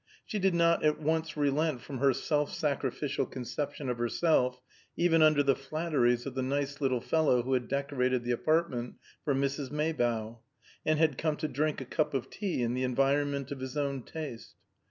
She did not at once relent from her self sacrificial conception of herself, even under the flatteries of the nice little fellow who had decorated the apartment for Mrs. Maybough, and had come to drink a cup of tea in the environment of his own taste.